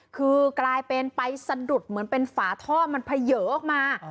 คือกลายเป็นไปสะดุดเหมือนเป็นฝาท่อมันเผยออกมา